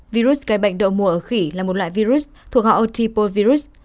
virus gây bệnh đậu mùa ở khỉ là một loại virus thuộc họ otipovirus